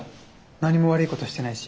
何も悪いことしてないし。